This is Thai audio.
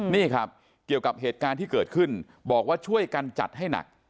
นี่ครับเกี่ยวกับเหตุการณ์ที่เกิดขึ้นบอกว่าช่วยกันจัดให้หนัก